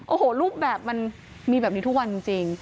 โอ้โหรูปแบบมันมีแบบนี้ทุกวันจริง